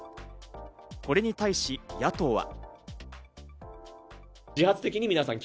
これに対し野党は。